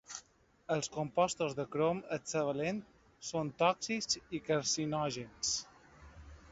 Els compostos de crom hexavalent són tòxics i carcinògens.